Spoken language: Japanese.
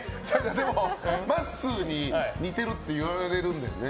でも、まっすーに似てるって言われるんだよね。